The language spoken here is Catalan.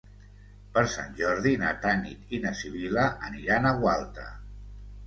Per Sant Jordi na Tanit i na Sibil·la aniran a Gualta.